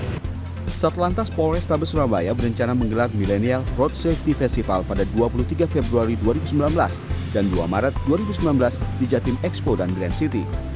saat lantas polrestabes surabaya berencana menggelar millennial road safety festival pada dua puluh tiga februari dua ribu sembilan belas dan dua maret dua ribu sembilan belas di jatim expo dan grand city